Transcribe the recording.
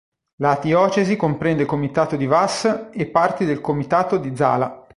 La diocesi comprende il comitato di Vas e parti del comitato di Zala.